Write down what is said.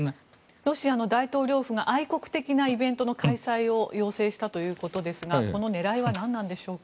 ロシアの大統領府が愛国的なイベントの開催を要請したということですがこの狙いは何なのでしょうか？